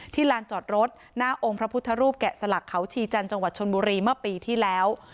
ลานจอดรถหน้าองค์พระพุทธรูปแกะสลักเขาชีจันทร์จังหวัดชนบุรีเมื่อปีที่แล้ว